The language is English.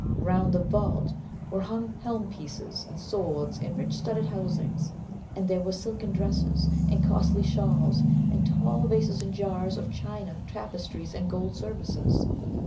Round the vault were hung helm pieces, and swords, and rich studded housings; and there were silken dresses, and costly shawls, and tall vases and jars of China, tapestries, and gold services.